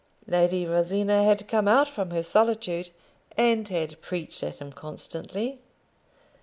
Lady Rosina had come out from her solitude, and had preached at him constantly.